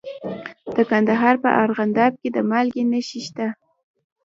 د کندهار په ارغنداب کې د مالګې نښې شته.